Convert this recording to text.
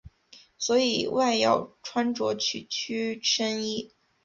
所以外要穿着曲裾深衣。